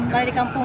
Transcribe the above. kalau di kampung